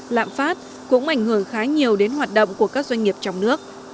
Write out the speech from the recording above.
lạm phát cũng ảnh hưởng khá nhiều đến hoạt động của các doanh nghiệp trong nước